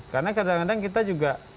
karena kadang kadang kita juga